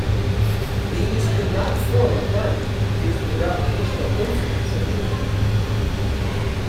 These could not form a planet due to the gravitational influence of Jupiter.